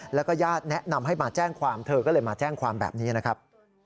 แล้วก็ญาติแนะนำให้มาแจ้งความเธอก็เลยมาแจ้งความแบบนี้นะครับ